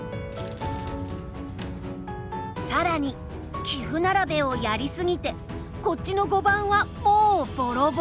さらに棋譜並べをやり過ぎてこっちの碁盤はもうボロボロ！